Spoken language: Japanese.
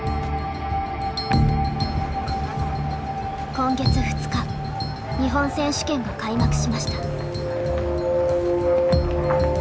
今月２日日本選手権が開幕しました。